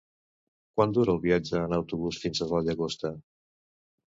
Quant dura el viatge en autobús fins a la Llagosta?